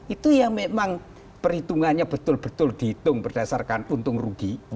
itu yang memang perhitungannya betul betul dihitung berdasarkan untung rugi